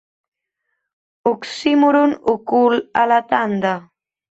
Oxímoron ocult a La tanda.